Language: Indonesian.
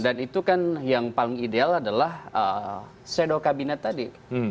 dan itu kan yang paling ideal adalah shadow cabinet tadi